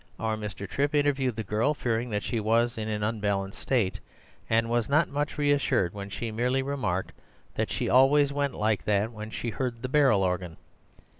Our Mr. Trip interviewed the girl, fearing that she was in an unbalanced state, and was not much reassured when she merely remarked that she always went like that when she heard the barrel organ.